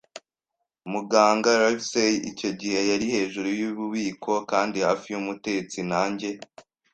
Muganga Livesey icyo gihe yari hejuru yububiko kandi hafi yumutetsi, nanjye